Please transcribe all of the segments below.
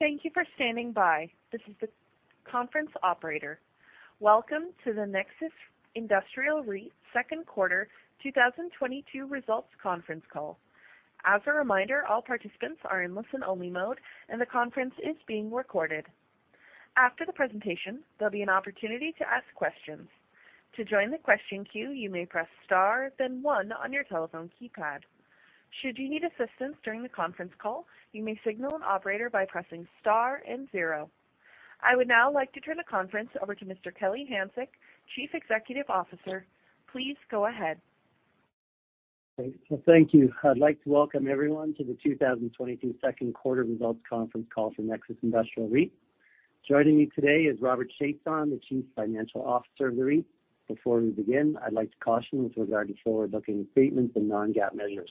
Thank you for standing by. This is the conference operator. Welcome to The Nexus Industrial REIT Second Quarter 2022 Results Conference Call. As a reminder, all participants are in listen-only mode, and the conference is being recorded. After the presentation, there'll be an opportunity to ask questions. To join the question queue, you may press star then one on your telephone keypad. Should you need assistance during the conference call, you may signal an operator by pressing star and zero. I would now like to turn the conference over to Mr. Kelly Hanczyk, Chief Executive Officer. Please go ahead. Okay. Well, thank you. I'd like to Welcome everyone to The 2022 Second Quarter Results Conference Call for Nexus Industrial REIT. Joining me today is Robert Chiasson, the Chief Financial Officer of the REIT. Before we begin, I'd like to caution with regard to forward-looking statements and non-GAAP measures.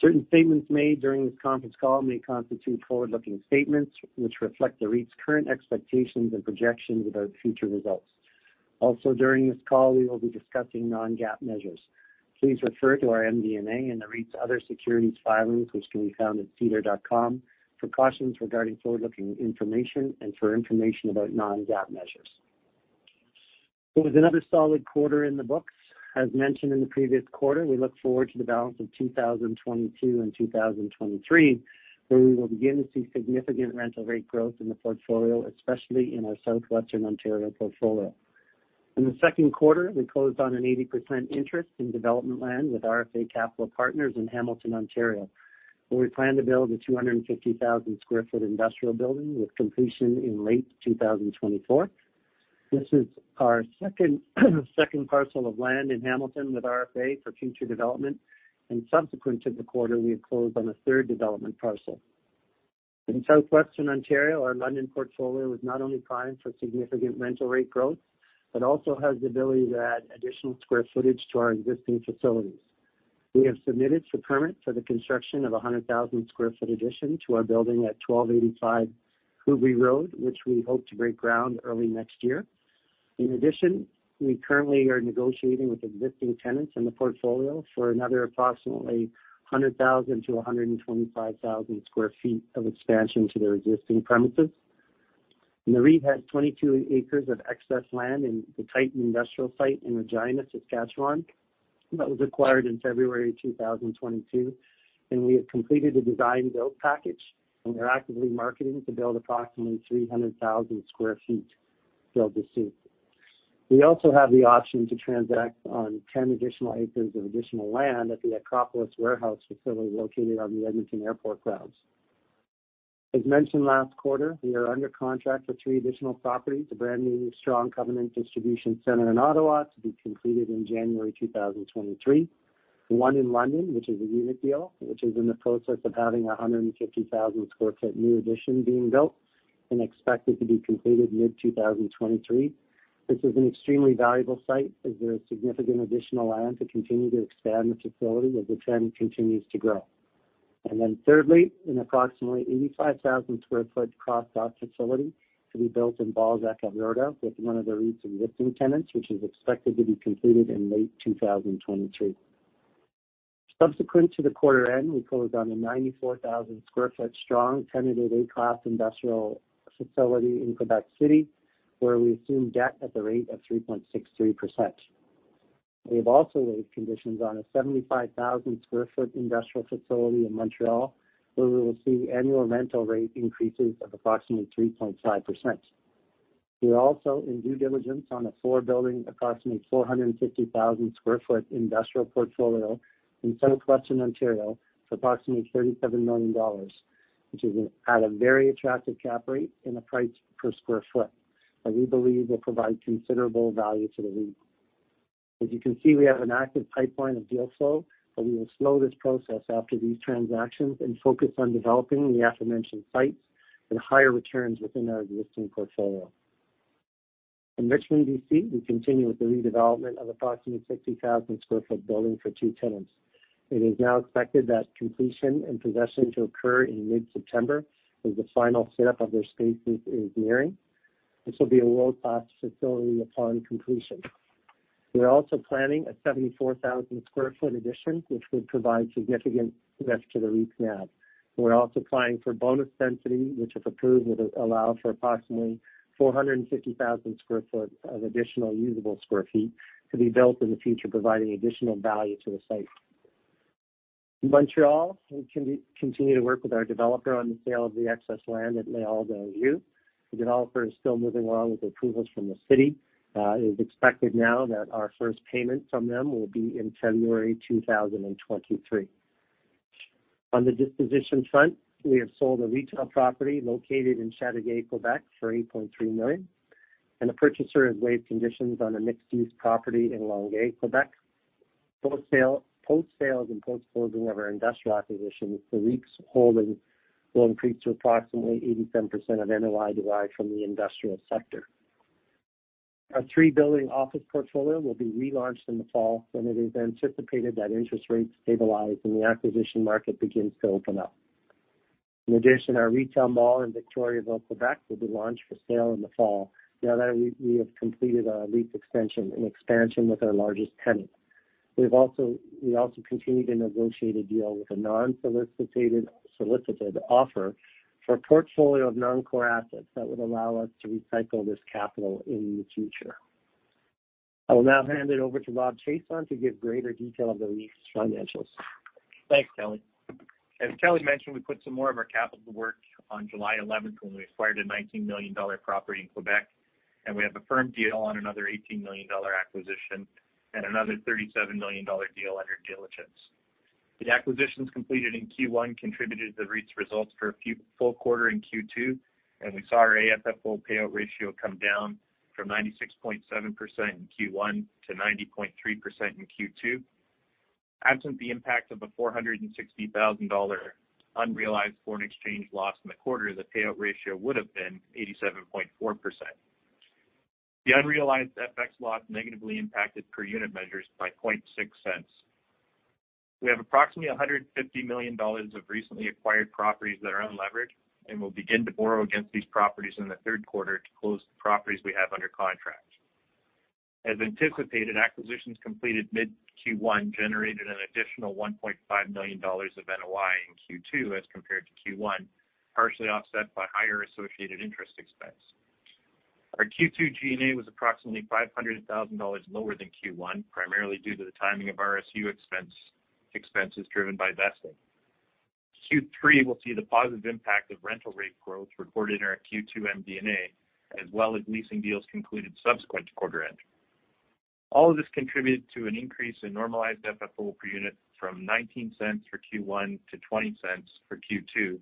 Certain statements made during this conference call may constitute forward-looking statements which reflect the REIT's current expectations and projections about future results. Also, during this call, we will be discussing non-GAAP measures. Please refer to our MD&A in the REIT's other securities filings, which can be found at sedar.com for cautions regarding forward-looking information and for information about non-GAAP measures. It was another solid quarter in the books. As mentioned in the previous quarter, we look forward to the balance of 2022 and 2023, where we will begin to see significant rental rate growth in the portfolio, especially in our Southwestern Ontario portfolio. In the second quarter, we closed on an 80% interest in development land with RFA Capital in Hamilton, Ontario, where we plan to build a 250,000 sq ft industrial building with completion in late 2024. This is our second parcel of land in Hamilton with RFA for future development. Subsequent to the quarter, we have closed on a third development parcel. In Southwestern Ontario, our London portfolio is not only primed for significant rental rate growth, but also has the ability to add additional square footage to our existing facilities. We have submitted for permit for the construction of 100,000 sq ft addition to our building at 1285 Hubrey Road, which we hope to break ground early next year. In addition, we currently are negotiating with existing tenants in the portfolio for another approximately 100,000-125,000 sq ft of expansion to their existing premises. The REIT has 22 acres of excess land in the Titan industrial site in Regina, Saskatchewan, that was acquired in February 2022, and we have completed a design-build package, and we're actively marketing to build approximately 300,000 sq ft this year. We also have the option to transact on 10 additional acres of additional land at the Acropolis warehouse facility located on the Edmonton Airport grounds. As mentioned last quarter, we are under contract for three additional properties, a brand new strong covenant distribution center in Ottawa to be completed in January 2023. One in London, which is a unit deal, which is in the process of having a 150,000 sq ft new addition being built and expected to be completed mid-2023. This is an extremely valuable site as there is significant additional land to continue to expand the facility as the tenant continues to grow. Thirdly, an approximately 85,000 sq ft cross-dock facility to be built in Balzac, Alberta, with one of the REIT's existing tenants, which is expected to be completed in late 2023. Subsequent to the quarter end, we closed on a 94,000 sq ft strong tenanted A Class industrial facility in Québec City, where we assumed debt at the rate of 3.63%. We have also waived conditions on a 75,000 sq ft industrial facility in Montreal, where we will see annual rental rate increases of approximately 3.5%. We are also in due diligence on a four-building, approximately 450,000 sq ft industrial portfolio in Southwestern Ontario for approximately 37 million dollars, which is at a very attractive cap rate and a price per square foot that we believe will provide considerable value to the REIT. As you can see, we have an active pipeline of deal flow, but we will slow this process after these transactions and focus on developing the aforementioned sites and higher returns within our existing portfolio. In Richmond, B.C., we continue with the redevelopment of approximately 60,000 sq ft building for two tenants. It is now expected that completion and possession to occur in mid-September as the final setup of their spaces is nearing. This will be a world-class facility upon completion. We're also planning a 74,000 sq ft addition, which would provide significant lift to the REIT's NAV. We're also applying for bonus density, which, if approved, would allow for approximately 450,000 sq ft of additional usable square feet to be built in the future, providing additional value to the site. In Montreal, we continue to work with our developer on the sale of the excess land at Mirabel, D'Auteuil. The developer is still moving along with approvals from the city. It is expected now that our first payment from them will be in February 2023. On the disposition front, we have sold a retail property located in Châteauguay, Québec, for 8.3 million, and the purchaser has waived conditions on a mixed-use property in Longueuil, Québec. Post sale, post sales and post closing of our industrial acquisition, the REIT's holding will increase to approximately 87% of NOI derived from the industrial sector. Our three-building office portfolio will be relaunched in the fall when it is anticipated that interest rates stabilize and the acquisition market begins to open up. In addition, our retail mall in Victoriaville, Québec, will be launched for sale in the fall now that we have completed our lease extension and expansion with our largest tenant. We've also continue to negotiate a deal with an unsolicited offer for a portfolio of non-core assets that would allow us to recycle this capital in the future. I will now hand it over to Rob Chiasson to give greater detail of the REIT's financials. Thanks, Kelly. As Kelly mentioned, we put some more of our capital to work on July eleventh when we acquired a 19 million dollar property in Québec, and we have a firm deal on another 18 million dollar acquisition and another 37 million dollar deal under diligence. The acquisitions completed in Q1 contributed to the REIT's results for a few full quarters in Q2, and we saw our AFFO payout ratio come down from 96.7% in Q1 to 90.3% in Q2. Absent the impact of a 460,000 dollar unrealized foreign exchange loss in the quarter, the payout ratio would have been 87.4%. The unrealized FX loss negatively impacted per unit measures by 0.006. We have approximately 150 million dollars of recently acquired properties that are unlevered, and we'll begin to borrow against these properties in the third quarter to close the properties we have under contract. As anticipated, acquisitions completed mid Q1 generated an additional 1.5 million dollars of NOI in Q2 as compared to Q1, partially offset by higher associated interest expense. Our Q2 G&A was approximately 500,000 dollars lower than Q1, primarily due to the timing of RSU expense, expenses driven by vesting. Q3 will see the positive impact of rental rate growth recorded in our Q2 MD&A, as well as leasing deals concluded subsequent to quarter end. All of this contributed to an increase in normalized FFO per unit from 0.19 for Q1 to 0.20 for Q2,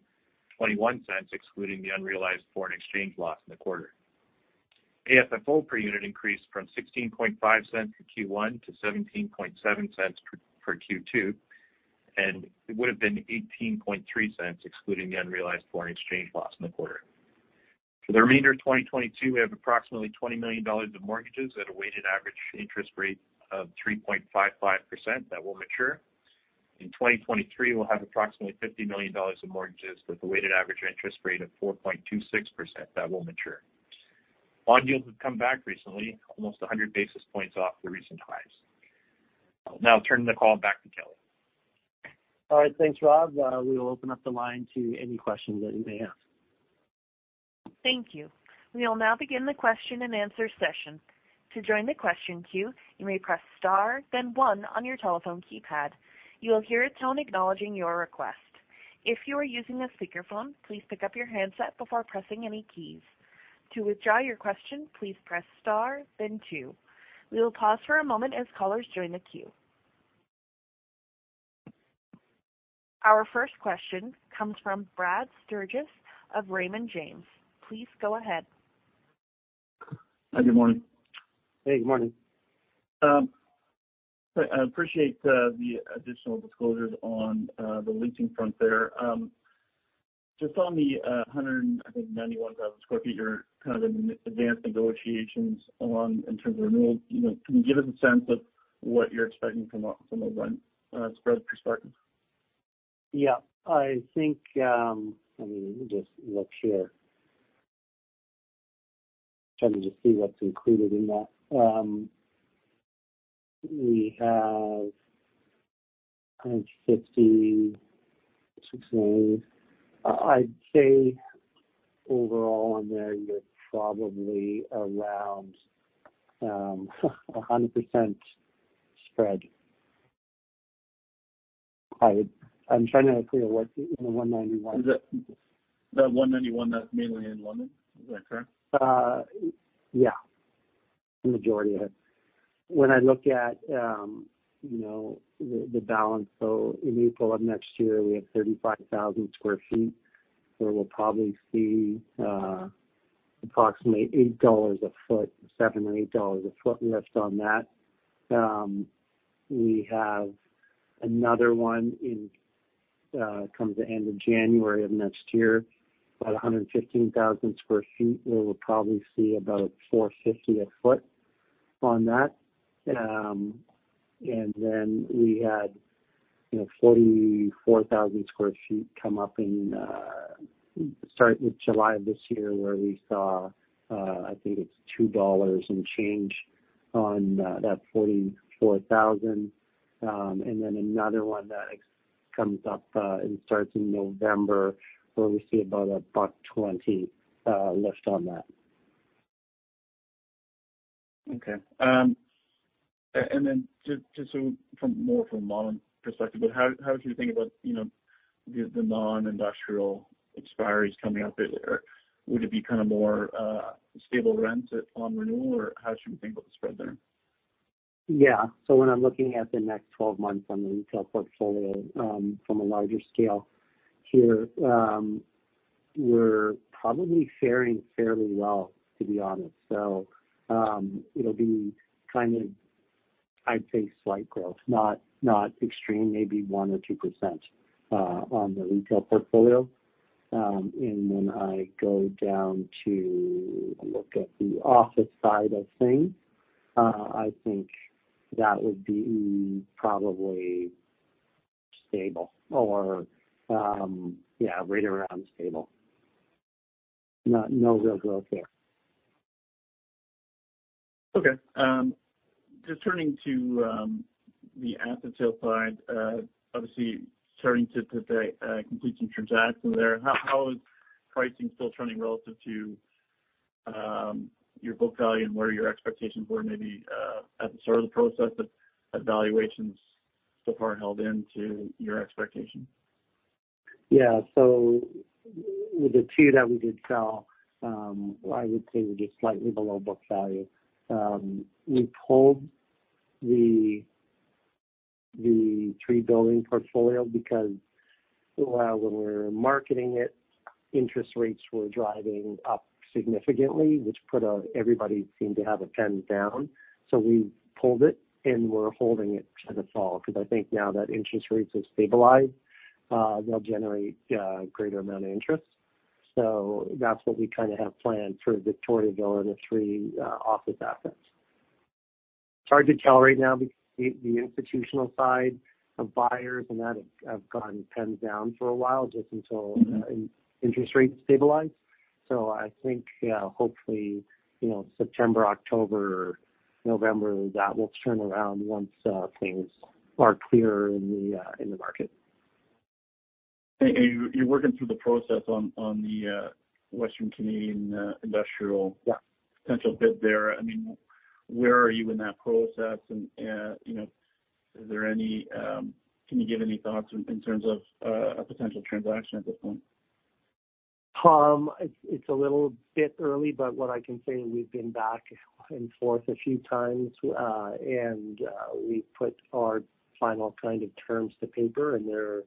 0.21 excluding the unrealized foreign exchange loss in the quarter. AFFO per unit increased from CAD 0.165 for Q1 to 0.177 per Q2, and it would've been 0.183 excluding the unrealized foreign exchange loss in the quarter. For the remainder of 2022, we have approximately 20 million dollars of mortgages at a weighted average interest rate of 3.55% that will mature. In 2023, we'll have approximately 50 million dollars in mortgages with a weighted average interest rate of 4.26% that will mature. Bond yields have come back recently, almost 100 basis points off the recent highs. I'll now turn the call back to Kelly. All right. Thanks, Rob. We will open up the line to any questions that you may have. Thank you. We will now begin the question-and-answer session. To join the question queue, you may press star then one on your telephone keypad. You will hear a tone acknowledging your request. If you are using a speakerphone, please pick up your handset before pressing any keys. To withdraw your question, please press star then two. We will pause for a moment as callers join the queue. Our first question comes from Brad Sturges of Raymond James. Please go ahead. Good morning. Hey, good morning. I appreciate the additional disclosures on the leasing front there. Just on the 191,000 sq ft you're kind of in advanced negotiations on in terms of renewals. You know, can you give us a sense of what you're expecting from a rent spread perspective? I think, let me just look here. Trying to just see what's included in that. We have 156 million. I'd say overall on there, you're probably around a 100% spread. I'm trying to figure what's in the 191 million. Is that 191 million, that's mainly in London. Is that correct? Yeah, majority of it. When I look at, you know, the balance. In April of next year, we have 35,000 sq ft where we'll probably see approximately 8 dollars a sq ft, 7 or 8 dollars a sq ft lift on that. We have another one that comes at the end of January of next year, about 115,000 sq ft, where we'll probably see about CAD 4.50 a sq ft on that. Then we had, you know, 44,000 sq ft come up starting in July of this year, where we saw, I think it's 2 dollars and change on that 44,000. Then another one that comes up and starts in November, where we see about 1.20 lift on that. Okay. Just so from more from a model perspective, but how should we think about, you know, the non-industrial expiries coming up there? Would it be kind of more stable rents on renewal, or how should we think about the spread there? Yeah. When I'm looking at the next 12 months on the retail portfolio, from a larger scale here, we're probably faring fairly well, to be honest. It'll be kind of, I'd say slight growth, not extreme, maybe 1% or 2%, on the retail portfolio. When I go down to look at the office side of things, I think that would be probably stable or, yeah, right around stable. No real growth there. Okay. Just turning to the asset sale side, obviously starting to prepare, complete some transactions there. How is pricing still trending relative to your book value and where your expectations were maybe at the start of the process? Have valuations so far held into your expectations? Yeah. With the two that we did sell, I would say we're just slightly below book value. We pulled the three building portfolio because when we were marketing it, interest rates were driving up significantly, everybody seemed to have pens down. We pulled it, and we're holding it to the fall because I think now that interest rates have stabilized, they'll generate greater amount of interest. That's what we kind of have planned for Victoria Building, the three office assets. It's hard to tell right now because the institutional side of buyers and that have gone pens down for a while just until interest rates stabilize. I think hopefully, you know, September, October, November, that will turn around once things are clearer in the market. You're working through the process on the Western Canadian industrial- Yeah. potential bid there. I mean, where are you in that process? You know, can you give any thoughts in terms of a potential transaction at this point? It's a little bit early, but what I can say, we've been back and forth a few times, and we've put our final kind of terms to paper, and they're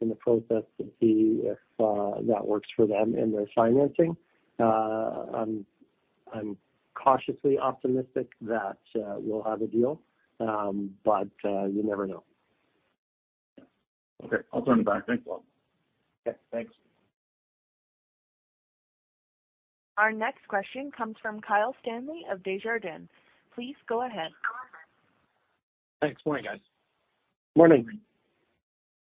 in the process to see if that works for them in their financing. I'm cautiously optimistic that we'll have a deal, but you never know. Okay. I'll turn it back. Thanks, Rob . Okay, thanks. Our next question comes from Kyle Stanley of Desjardins. Please go ahead. Thanks. Morning, guys. Morning.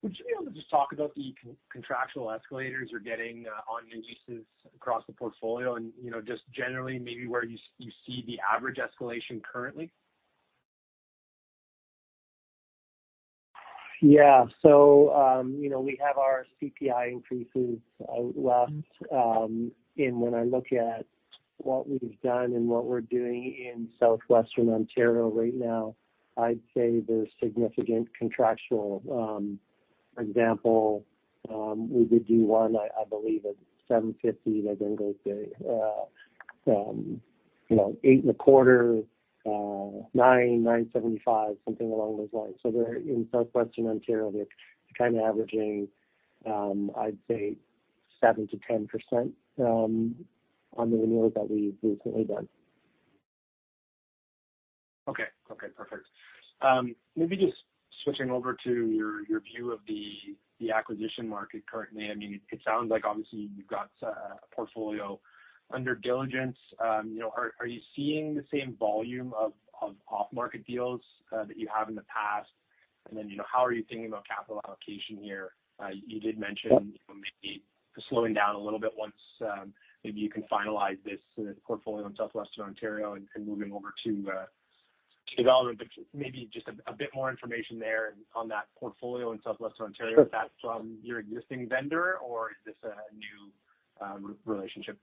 Would you be able to just talk about the contractual escalators you're getting on your leases across the portfolio and, you know, just generally maybe where you see the average escalation currently? Yeah. You know, we have our CPI increases outlined. When I look at what we've done and what we're doing in Southwestern Ontario right now, I'd say there's significant contractual escalation. We would do one, I believe, at 7.50%. They then go to, you know, 8.25%, 9.75%, something along those lines. They're in Southwestern Ontario. They're kind of averaging, I'd say 7%-10% on the renewals that we've recently done. Okay. Okay, perfect. Maybe just switching over to your view of the acquisition market currently. I mean, it sounds like obviously you've got a portfolio under diligence. You know, are you seeing the same volume of off-market deals that you have in the past? Then, you know, how are you thinking about capital allocation here? You did mention. Yeah. Maybe slowing down a little bit once maybe you can finalize this portfolio in Southwestern Ontario and moving over to development. Maybe just a bit more information there on that portfolio in Southwestern Ontario. Sure. Is that from your existing vendor, or is this a new relationship?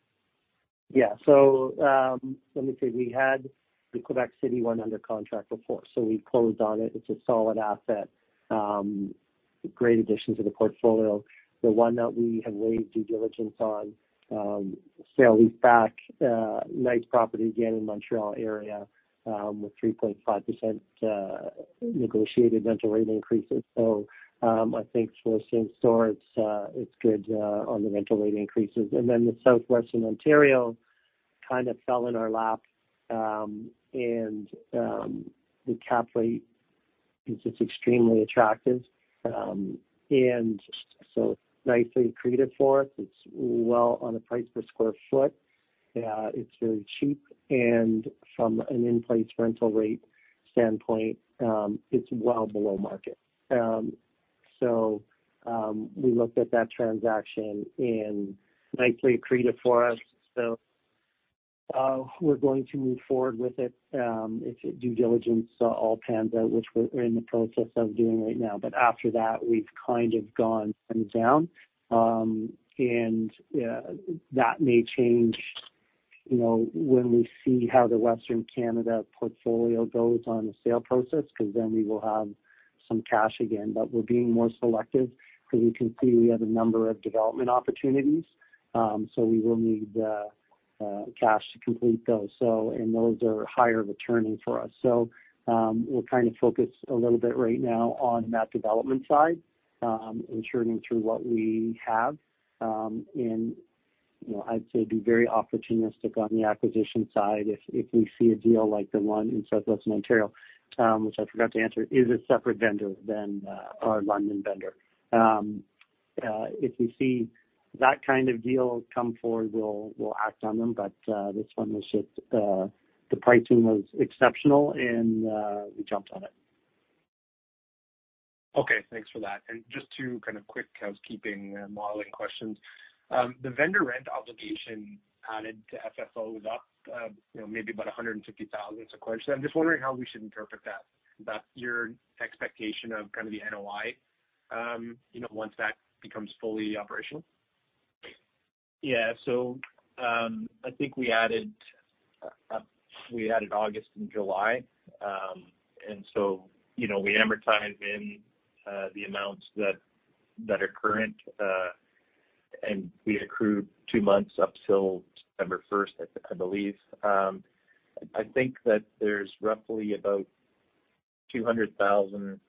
Yeah. Let me see. We had the Québec City one under contract before, so we closed on it. It's a solid asset, great addition to the portfolio. The one that we have waived due diligence on, sale-leaseback, nice property again in Montréal area, with 3.5% negotiated rental rate increases. It's good on the rental rate increases. The Southwestern Ontario kind of fell in our lap, and the cap rate is just extremely attractive, and so nicely accretive for us. It's well on the price per square foot. It's very cheap, and from an in-place rental rate standpoint, it's well below market. We looked at that transaction and nicely accretive for us. We're going to move forward with it. If due diligence all pans out, which we're in the process of doing right now. After that we've kind of gone pens down. That may change, you know, when we see how the Western Canada portfolio goes on the sale process, because then we will have some cash again. We're being more selective because we can see we have a number of development opportunities. We will need cash to complete those. Those are higher returning for us. We're kind of focused a little bit right now on that development side, ensuring through what we have. You know, I'd say be very opportunistic on the acquisition side if we see a deal like the one in Southwestern Ontario, which I forgot to answer is a separate vendor than our London vendor. If we see that kind of deal come forward, we'll act on them. This one was just the pricing was exceptional and we jumped on it. Okay, thanks for that. Just two kind of quick housekeeping, modeling questions. The vendor rent obligation added to FFO was up, you know, maybe about 150,000. I'm just wondering how we should interpret that, about your expectation of kind of the NOI, you know, once that becomes fully operational. Yeah, I think we added August and July. You know, we amortize in the amounts that are current, and we accrue two months up till December first, I believe. I think that there's roughly about 200,000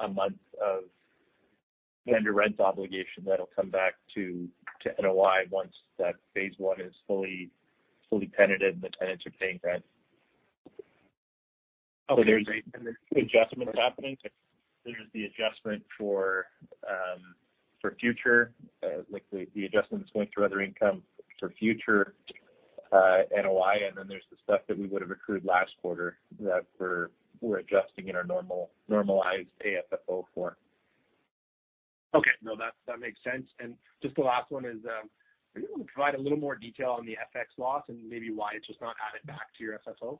a month of vendor rent obligation that'll come back to NOI once that phase one is fully tenanted and the tenants are paying rent. Oh, there's a- There's two adjustments happening. There's the adjustment for future, like the adjustments going through other income for future NOI. Then there's the stuff that we would have accrued last quarter that we're adjusting in our normalized AFFO for. Okay. No, that makes sense. Just the last one is, are you able to provide a little more detail on the FX loss and maybe why it's just not added back to your FFO?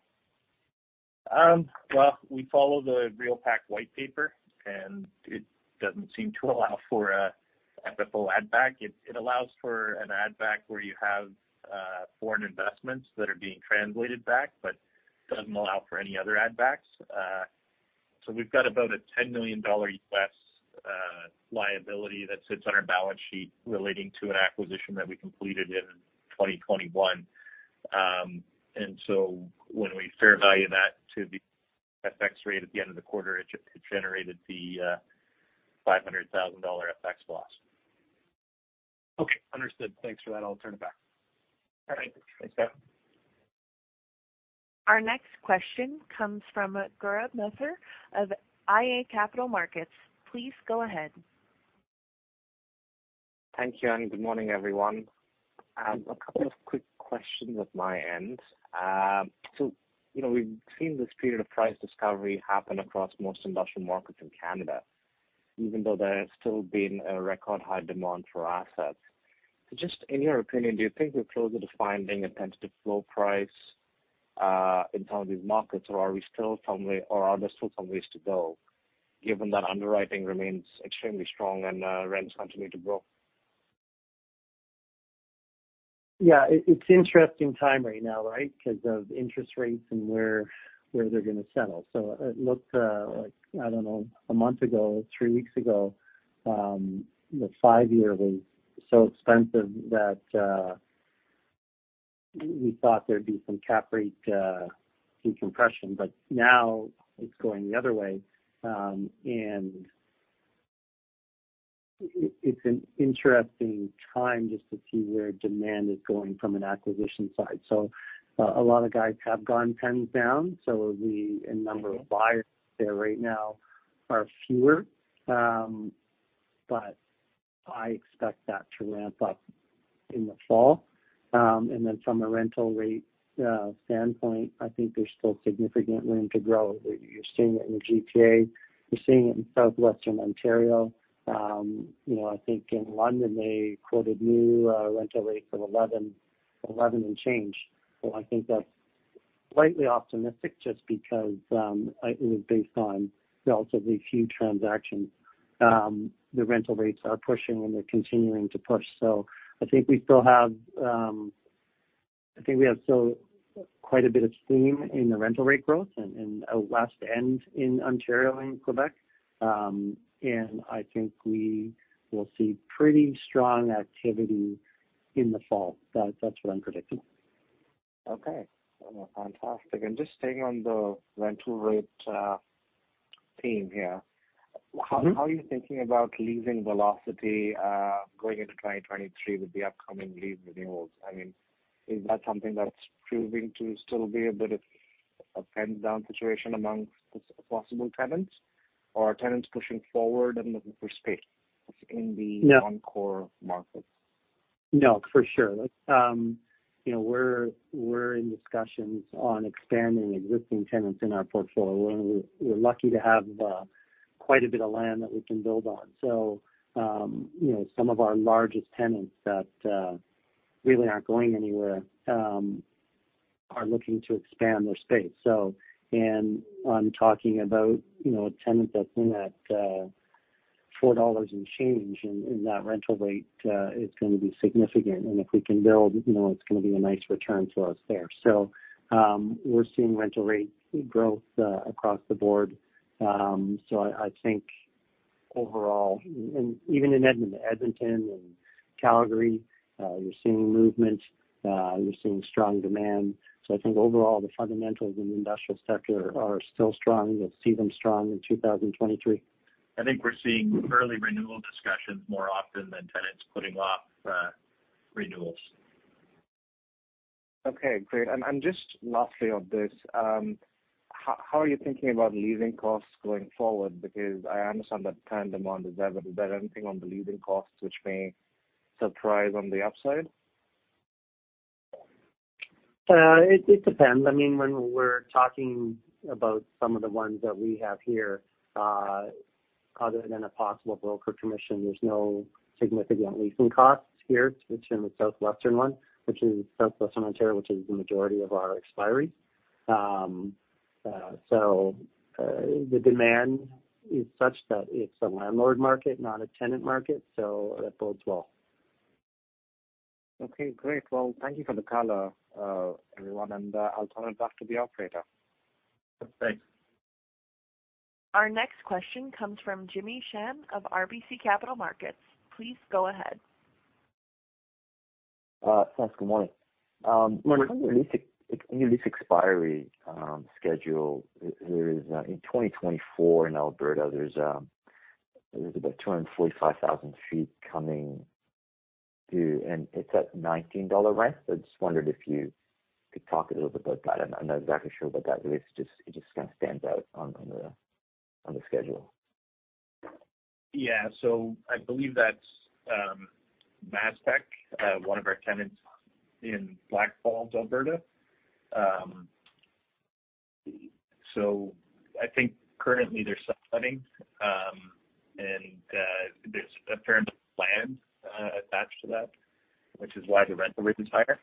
Well, we follow the REALPAC white paper, and it doesn't seem to allow for a FFO add back. It allows for an add back where you have foreign investments that are being translated back, but doesn't allow for any other add backs. We've got about a $10 million US liability that sits on our balance sheet relating to an acquisition that we completed in 2021. When we fair value that to the FX rate at the end of the quarter, it generated the $500,000 FX loss. Okay, understood. Thanks for that. I'll turn it back. All right. Thanks, Gavin. Our next question comes from Gaurav Mathur of iA Capital Markets. Please go ahead. Thank you, and good morning, everyone. A couple of quick questions at my end. You know, we've seen this period of price discovery happen across most industrial markets in Canada, even though there has still been a record high demand for assets. Just in your opinion, do you think we're closer to finding a tentative floor price in some of these markets, or are there still some ways to go, given that underwriting remains extremely strong and rents continue to grow? Yeah. It's an interesting time right now, right? Because of interest rates and where they're gonna settle. It looked like, I don't know, a month ago, three weeks ago, the five-year was so expensive that we thought there'd be some cap rate decompression. Now it's going the other way. It's an interesting time just to see where demand is going from an acquisition side. A lot of guys have gone pens down, so the number of buyers there right now are fewer. I expect that to ramp up in the fall. Then from a rental rate standpoint, I think there's still significant room to grow. You're seeing it in the GTA, you're seeing it in Southwestern Ontario. You know, I think in London, they quoted new rental rates of 11 and change. I think that's slightly optimistic just because it was based on relatively few transactions. The rental rates are pushing and they're continuing to push. I think we still have, I think we have still quite a bit of steam in the rental rate growth and West End in Ontario and Québec. I think we will see pretty strong activity in the fall. That's what I'm predicting. Okay. Fantastic. Just staying on the rental rate theme here. Mm-hmm. How are you thinking about leasing velocity going into 2023 with the upcoming lease renewals? I mean, is that something that's proving to still be a bit of a pens down situation amongst possible tenants or are tenants pushing forward and looking for space in the? No. Non-core markets? No, for sure. Let's. You know, we're in discussions on expanding existing tenants in our portfolio, and we're lucky to have quite a bit of land that we can build on. You know, some of our largest tenants that really aren't going anywhere are looking to expand their space. I'm talking about, you know, a tenant that's in at 4 dollars and change, and that rental rate is gonna be significant. If we can build, you know, it's gonna be a nice return to us there. We're seeing rental rate growth across the board. I think overall, and even in Edmonton and Calgary, you're seeing movement, you're seeing strong demand. I think overall, the fundamentals in the industrial sector are still strong. We'll see them strong in 2023. I think we're seeing early renewal discussions more often than tenants putting off renewals. Okay, great. Just lastly on this, how are you thinking about leasing costs going forward? Because I understand that tenant demand is there, but is there anything on the leasing costs which may surprise on the upside? It depends. I mean, when we're talking about some of the ones that we have here, other than a possible broker commission, there's no significant leasing costs here. It's in the Southwestern one, which is Southwestern Ontario, which is the majority of our expiries. The demand is such that it's a landlord market, not a tenant market, so that bodes well. Okay, great. Well, thank you for the color, everyone, and I'll turn it back to the operator. Thanks. Our next question comes from Jimmy Shan of RBC Capital Markets. Please go ahead. Thanks. Good morning. Morning. With your expiring lease expiry schedule, there is in 2024 in Alberta about 245,000 sq ft coming due, and it's at 19 dollar rent. I just wondered if you could talk a little bit about that. I'm not exactly sure what that lease is. It just kind of stands out on the schedule. I believe that's MasTec, one of our tenants in Blackfalds, Alberta. I think currently they're subletting, and there's a fair amount of land attached to that, which is why the rental rate is higher.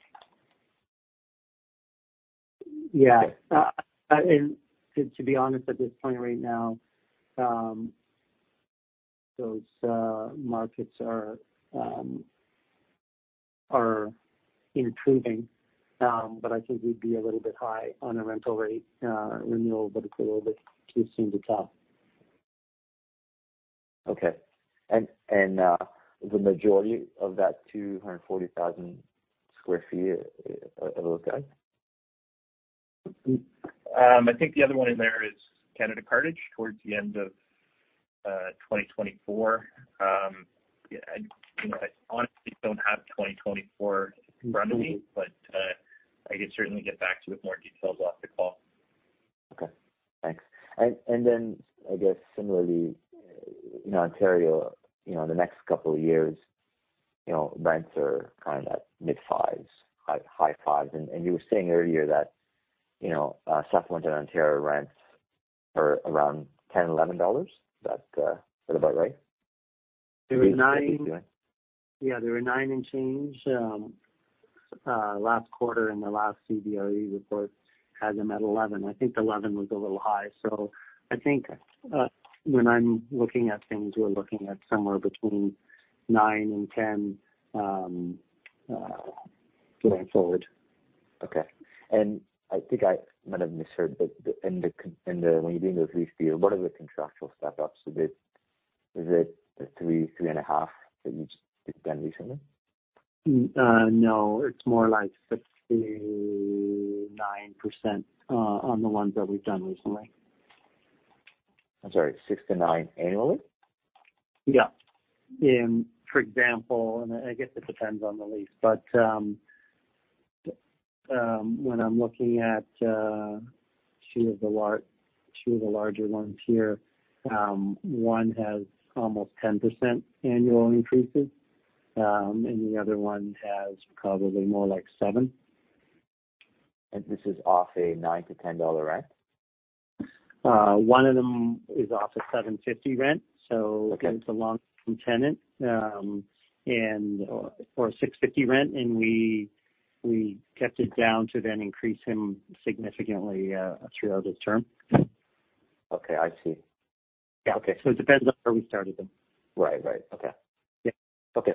Yeah. To be honest, at this point right now, those markets are improving. I think we'd be a little bit high on a rental rate renewal, but it's a little bit too soon to tell. Okay. The majority of that 240,000 sq ft are those guys? I think the other one in there is Canada Cartage towards the end of 2024. Yeah, you know, I honestly don't have 2024 in front of me, but I could certainly get back to you with more details off the call. Okay, thanks. I guess similarly in Ontario, you know, in the next couple of years, you know, rents are kind of at mid-fives, high fives. You were saying earlier that, you know, Southwestern Ontario rents are around 10-11 dollars. Is that about right? They were 9%. Yeah, they were 9% and change. Last quarter in the last CBRE report had them at 11%. I think 11% was a little high. I think when I'm looking at things, we're looking at somewhere between 9% and 10% going forward. Okay. I think I might have misheard, but when you're doing those lease deal, what are the contractual step ups? Is it the3%, 3.5% that you've just done recently? No, it's more like 6%-9% on the ones that we've done recently. I'm sorry, 6%-9% annually? Yeah. For example, I guess it depends on the lease, but when I'm looking at two of the larger ones here, one has almost 10% annual increases, and the other one has probably more like 7%. This is off a 9-10 dollar rent? One of them is off a 750 rent. Okay. It's a long-term tenant. Or a 6.50 rent, and we kept it down to then increase him significantly throughout his term. Okay. I see. Yeah. Okay. It depends on where we started them. Right. Okay. Yeah. Okay.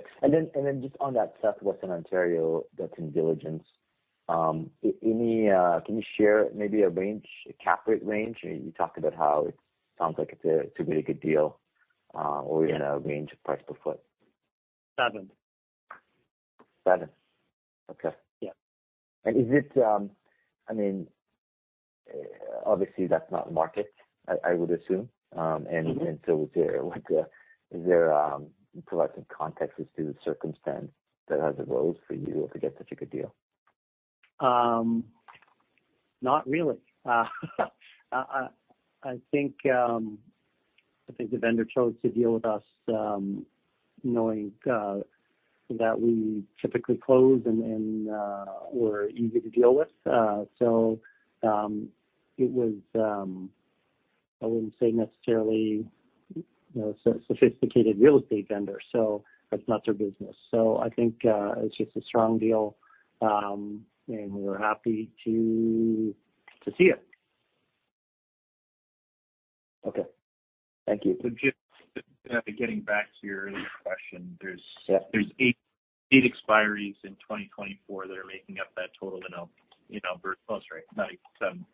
Just on that Southwestern Ontario, that's in diligence, any, can you share maybe a range, a cap rate range? You talked about how it sounds like it's a really good deal. Yeah. You know, a range of price per foot. Seven. Seven. Okay. Yeah. Is it, I mean, obviously, that's not market, I would assume. Mm-hmm. Is there to provide some context as to the circumstance that has arose for you to get such a good deal? Not really. I think the vendor chose to deal with us, knowing that we typically close and we're easy to deal with. It was. I wouldn't say necessarily, you know, so sophisticated real estate vendor, so that's not their business. I think it's just a strong deal, and we were happy to see it. Okay. Thank you. Just getting back to your earlier question. Yeah. There's eight expiries in 2024 that are making up that total in Alberta. Oh, sorry, 97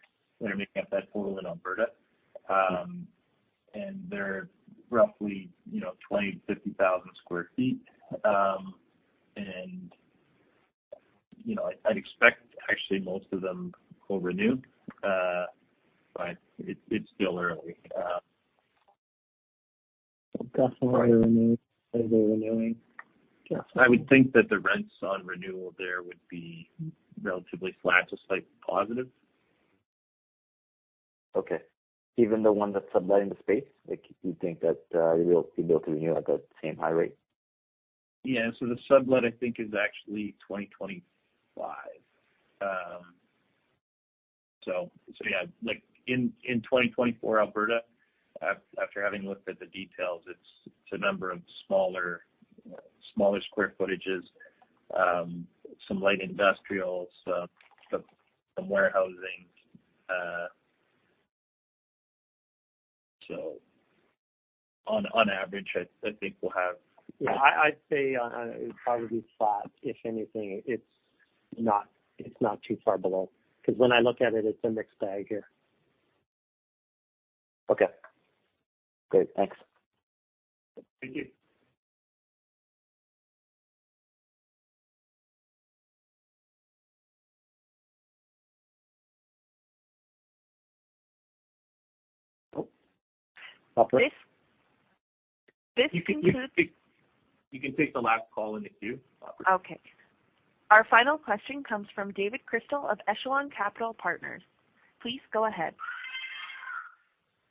that are making up that total in Alberta. They're roughly, you know, 20,000-50,000 sq ft. You know, I'd expect actually most of them will renew. But it's still early. Definitely renew. They'll be renewing. Yeah. I would think that the rents on renewal there would be relatively flat to slightly positive. Okay. Even the one that's subletting the space, like, you think that you will be able to renew at the same high rate? Yeah. The sublet, I think, is actually 2025. Yeah, like in 2024 Alberta, after having looked at the details, it's the number of smaller square footages, some light industrial, some warehousing. On average, I think we'll have- Yeah. I'd say on it probably be flat. If anything, it's not too far below, because when I look at it's a mixed bag here. Okay. Great. Thanks. Thank you. Oh. Operator. This concludes. You can take the last call in the queue. Okay. Our final question comes from David Crystal of Echelon Capital Partners. Please go ahead.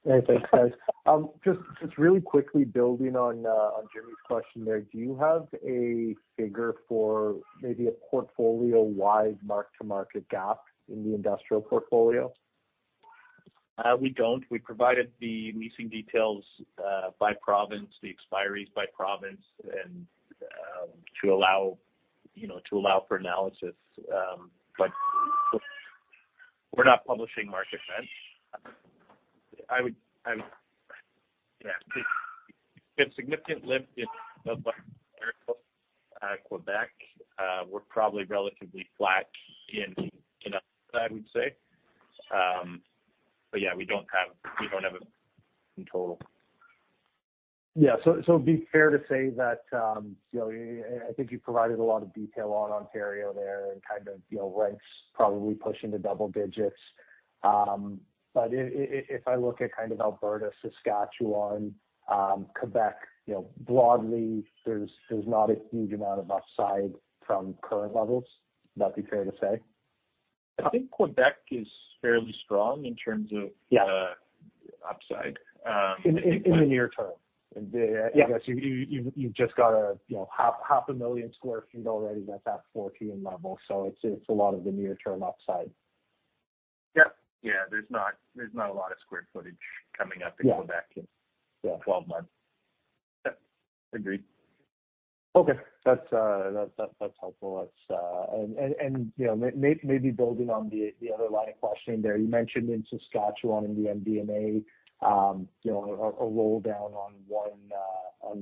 Hey, thanks, guys. Just really quickly building on Jimmy's question there. Do you have a figure for maybe a portfolio-wide mark-to-market gap in the industrial portfolio? We don't. We provided the leasing details by province, the expiries by province and to allow, you know, to allow for analysis. We're not publishing market rents. Yeah. We have significant lift in Ontario. Québec, we're probably relatively flat in Canada, I would say. Yeah, we don't have it in total. Yeah. It'd be fair to say that, you know, I think you provided a lot of detail on Ontario there and kind of, you know, rents probably push into double digits. If I look at kind of Alberta, Saskatchewan, Québec, you know, broadly, there's not a huge amount of upside from current levels. Would that be fair to say? I think Québec is fairly strong in terms of. Yeah The upside. In the near term. Yeah. I guess you've just got, you know, 500,000 sq ft already that's at 14 level. It's a lot of the near term upside. Yep. Yeah. There's not a lot of square footage coming up in Québec in- Yeah 12 months. Yep. Agreed. Okay. That's helpful. You know, maybe building on the other line of questioning there. You mentioned in Saskatchewan, in the MD&A, a roll down on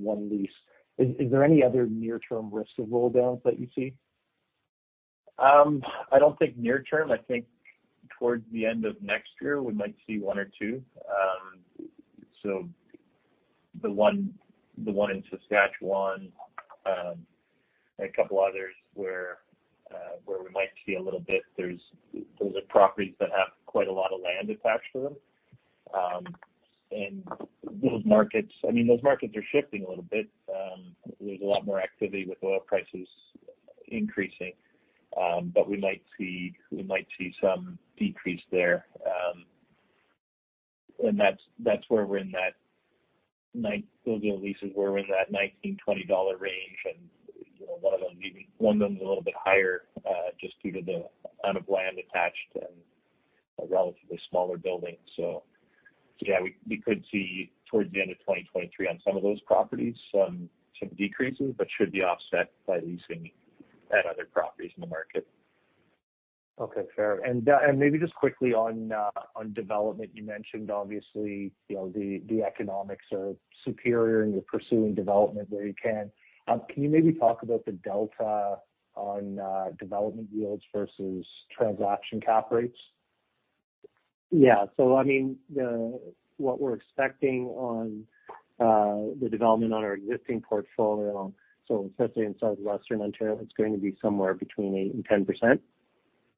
one lease. Is there any other near-term risks of roll downs that you see? I don't think near term. I think towards the end of next year we might see one or two. The one in Saskatchewan and a couple others where we might see a little bit. Those are properties that have quite a lot of land attached to them. Those markets, I mean, those markets are shifting a little bit. There's a lot more activity with oil prices increasing. We might see some decrease there. That's where those leases were in that 19-20 dollar range. You know, one of them is a little bit higher just due to the amount of land attached and a relatively smaller building. Yeah, we could see towards the end of 2023 on some of those properties, some decreases, but should be offset by leasing at other properties in the market. Okay. Fair. Maybe just quickly on development, you mentioned obviously, you know, the economics are superior and you're pursuing development where you can. Can you maybe talk about the delta on development yields vs transaction cap rates? I mean, what we're expecting on the development on our existing portfolio, so especially in Southwestern Ontario, it's going to be somewhere between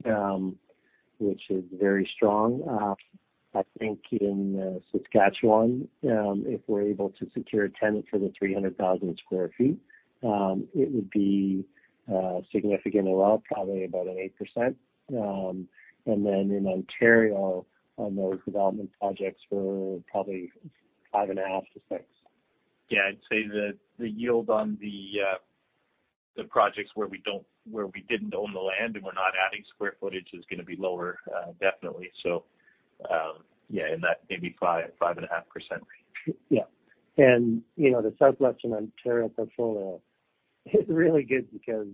8%-10%, which is very strong. I think in Saskatchewan, if we're able to secure a tenant for the 300,000 sq ft, it would be significantly well, probably about an 8%. And then in Ontario on those development projects we're probably 5.5%-6%. Yeah. I'd say that the yield on the projects where we don't, where we didn't own the land and we're not adding square footage is gonna be lower, definitely so, yeah, in that maybe 5%-5.5% range. Yeah. You know, the Southwestern Ontario portfolio is really good because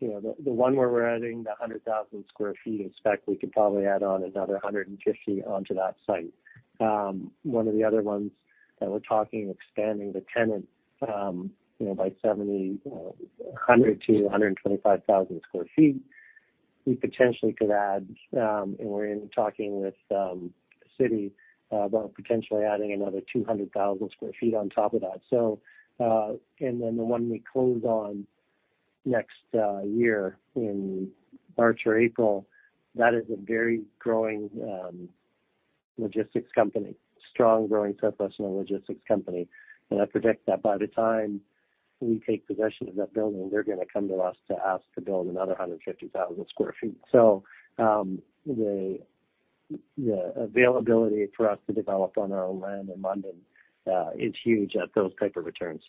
you know, the one where we're adding 100,000 sq ft of spec, we could probably add on another 150,000 sq ft onto that site. One of the other ones that we're talking expanding the tenant, you know, by 70,000 to 125,000 sq ft, we potentially could add, and we're talking with the city about potentially adding another 200,000 sq ft on top of that. Then the one we close on next year in March or April, that is a very growing logistics company, strong growing Southwestern logistics company. I predict that by the time we take possession of that building, they're gonna come to us to ask to build another 150,000 sq ft. The availability for us to develop on our own land in London is huge at those type of returns.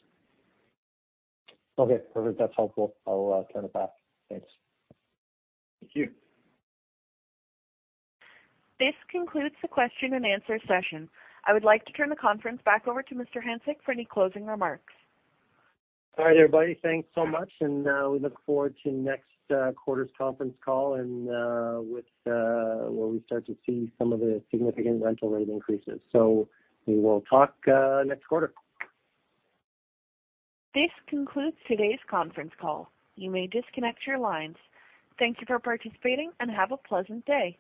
Okay. Perfect. That's helpful. I'll turn it back. Thanks. Thank you. This concludes the question and answer session. I would like to turn the conference back over to Mr. Hanczyk for any closing remarks. All right, everybody, thanks so much. We look forward to next quarter's conference call and with where we start to see some of the significant rental rate increases. We will talk next quarter. This concludes today's conference call. You may disconnect your lines. Thank you for participating and have a pleasant day.